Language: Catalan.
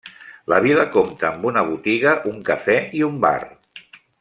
La vila compta amb una botiga, un cafè i un bar.